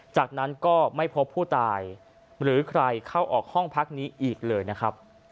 จากนั้นก็ไม่พบผู้ตายหรือใครเข้าออกห้องพักนี้อีกเลยนะครับ